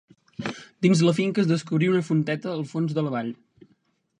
Dins la finca es descobrí una fonteta al fons de la vall.